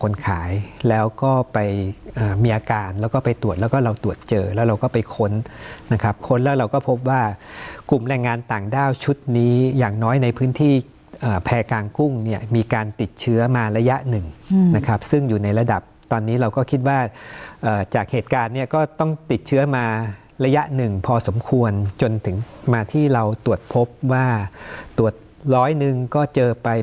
คนขายแล้วก็ไปมีอาการแล้วก็ไปตรวจแล้วก็เราตรวจเจอแล้วเราก็ไปค้นนะครับค้นแล้วเราก็พบว่ากลุ่มแรงงานต่างด้าวชุดนี้อย่างน้อยในพื้นที่แพร่กลางกุ้งเนี่ยมีการติดเชื้อมาระยะหนึ่งนะครับซึ่งอยู่ในระดับตอนนี้เราก็คิดว่าจากเหตุการณ์เนี่ยก็ต้องติดเชื้อมาระยะหนึ่งพอสมควรจนถึงมาที่เราตรวจพบว่าตรวจร้อยหนึ่งก็เจอไป